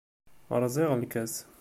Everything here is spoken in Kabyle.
Rẓiɣ lkas.